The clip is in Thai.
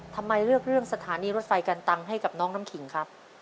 ทำไมเลือกเรื่องสถานีรถไฟกันตังให้กับน้องน้ำขิงครับ